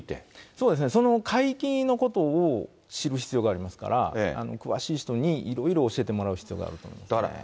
そうですね、その海域のことを知る必要がありますから、詳しい人にいろいろ教えてもらう必要があると思いますね。